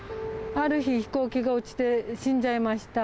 ある日、飛行機が落ちて、死んじゃいました。